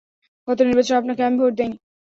গত নির্বাচনে আপনাকে আমি ভোট দেইনি!